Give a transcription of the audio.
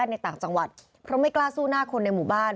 ในต่างจังหวัดเพราะไม่กล้าสู้หน้าคนในหมู่บ้าน